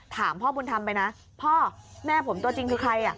ถามพ่อบุญธรรมไปนะพ่อแม่ผมตัวจริงคือใคร